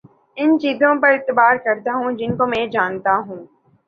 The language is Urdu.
ان چیزوں پر اعتبار کرتا ہوں جن کو میں جانتا ہوں